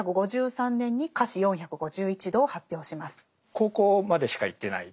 高校までしか行ってない。